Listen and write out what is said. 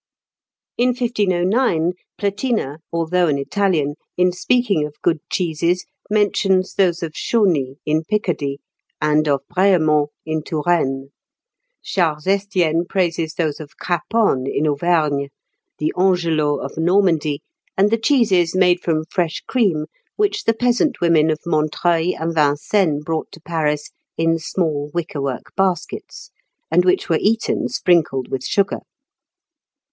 In 1509, Platina, although an Italian, in speaking of good cheeses, mentions those of Chauny, in Picardy, and of Brehemont, in Touraine; Charles Estienne praises those of Craponne, in Auvergne, the angelots of Normandy, and the cheeses made from fresh cream which the peasant women of Montreuil and Vincennes brought to Paris in small wickerwork baskets, and which were eaten sprinkled with sugar.